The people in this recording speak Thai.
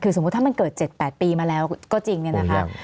คือสมมุติถ้ามันเกิด๗๘ปีมาแล้วก็จริงเนี่ยนะคะ